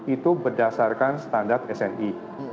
itu berdasarkan standar sni